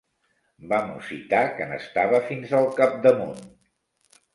Va mussitar que n'estava fins al capdamunt.